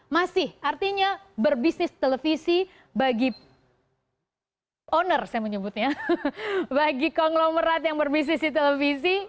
masih artinya berbisnis televisi bagi owner saya menyebutnya bagi konglomerat yang berbisnis di televisi